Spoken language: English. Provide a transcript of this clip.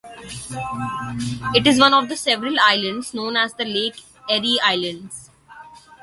It is one of several islands known as the Lake Erie Islands.